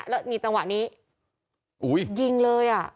แล้วมีจังหวะนี้ยิงเลยอ่ะ